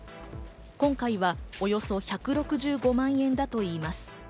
今回はおよそ１６５万円だといいます。